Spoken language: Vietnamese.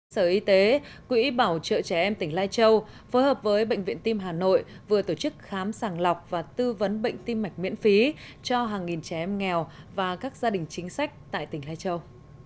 sở y tế quỹ bảo trợ trẻ em tỉnh lai châu phối hợp với bệnh viện tim hà nội vừa tổ chức khám sàng lọc và tư vấn bệnh tim mạch miễn phí cho hàng nghìn trẻ em nghèo và các gia đình chính sách tại tỉnh lai châu